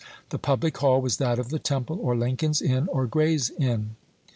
The "public hall" was that of the Temple, or Lincoln's Inn, or Gray's Inn.